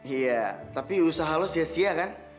iya tapi usaha los sia sia kan